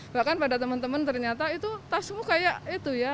bahkan pada teman teman ternyata itu tasmu kayak itu ya